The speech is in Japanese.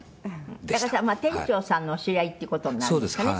黒柳：だから、それは店長さんのお知り合いという事になるんですかね？